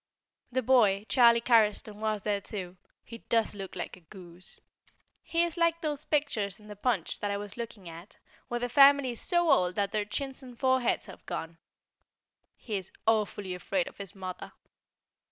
The boy, Charlie Carriston, was there too; he does look a goose. He is like those pictures in the Punch that I was looking at, where the family is so old that their chins and foreheads have gone. He is awfully afraid of his mother.